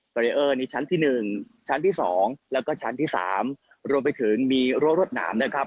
บาริเวอนี้ชั้นที่๑ชั้นที่๒แล้วก็ชั้นที่๓รวมไปถึงมีรถน้ำนะครับ